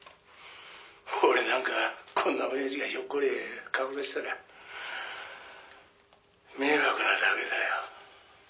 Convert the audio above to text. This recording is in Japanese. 「俺なんかこんな親父がひょっこり顔出したら迷惑なだけだよ」